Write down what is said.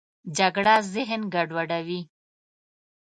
جګړه ذهن ګډوډوي